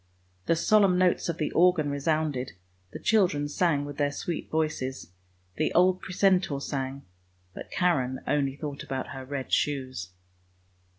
The solemn notes of the organ resounded, the children sang with their sweet voices, the old precentor sang, but Karen only thought about her red shoes.